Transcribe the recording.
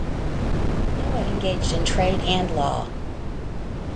Noah engaged in trade and law.